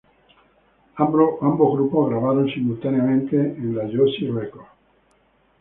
Ambos grupos grabaron simultáneamente en la Josie Records.